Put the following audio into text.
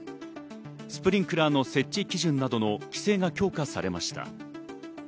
スプリンクラーの設置基準等の規制が強化されました。